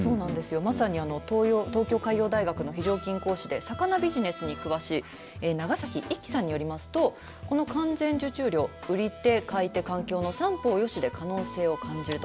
まさに東京海洋大学の非常勤講師で魚ビジネスに詳しい長崎一生さんによりますとこの完全受注漁売り手買い手環境の三方よしで可能性を感じると。